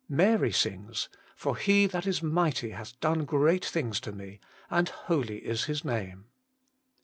Mary sings, ' For He that is mighty hath done great things to me : and holy is His name.'